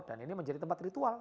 dan ini menjadi tempat ritual